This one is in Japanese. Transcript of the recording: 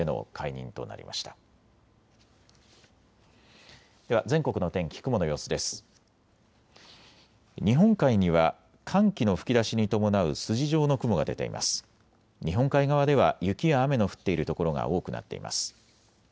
日本海側では雪や雨の降っている所が多くなっています。